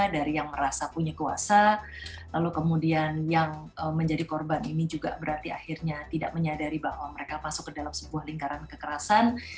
dari yang merasa punya kuasa lalu kemudian yang menjadi korban ini juga berarti akhirnya tidak menyadari bahwa mereka masuk ke dalam sebuah lingkaran kekerasan